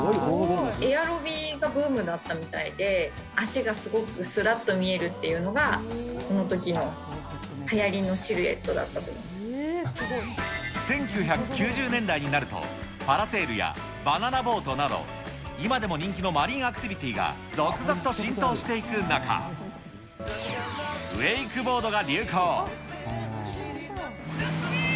エアロビがブームだったみたいで、脚がすごくすらっと見えるっていうのが、そのときのはやりのシル１９９０年代になると、パラセールやバナナボートなど、今でも人気のマリンアクティビティが続々と浸透していく中、ジャストミート！